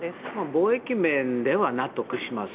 貿易面では納得します。